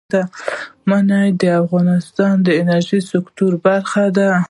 منی د افغانستان د انرژۍ سکتور برخه ده.